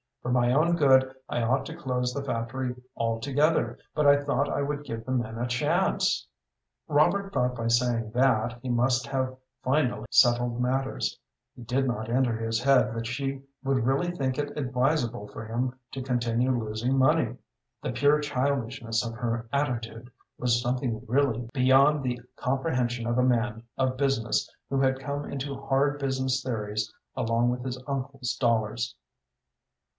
"For my own good I ought to close the factory altogether, but I thought I would give the men a chance." Robert thought by saying that he must have finally settled matters. It did not enter his head that she would really think it advisable for him to continue losing money. The pure childishness of her attitude was something really beyond the comprehension of a man of business who had come into hard business theories along with his uncle's dollars.